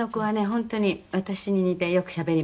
本当に私に似てよくしゃべります」